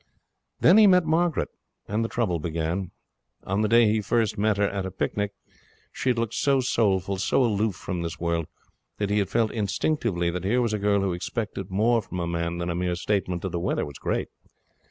Then he met Margaret, and the trouble began. On the day he first met her, at a picnic, she had looked so soulful, so aloof from this world, that he had felt instinctively that here was a girl who expected more from a man than a mere statement that the weather was great.